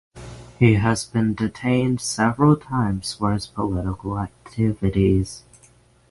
He has been detained several times for his political activities.